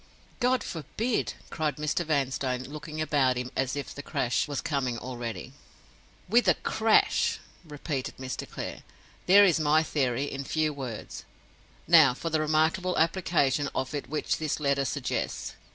"God forbid!" cried Mr. Vanstone, looking about him as if the crash was coming already. "With a crash!" repeated Mr. Clare. "There is my theory, in few words. Now for the remarkable application of it which this letter suggests.